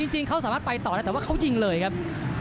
จริงเขาสามารถไปต่อได้แต่ว่าเขายิงเลยครับ